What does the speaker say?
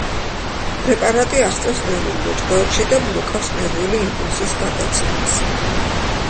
პრეპარატი აღწევს ნერვულ ბოჭკოებში და ბლოკავს ნერვული იმპულსის გადაცემას.